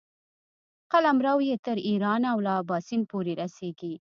قلمرو یې تر ایرانه او له اباسین پورې رسېږي.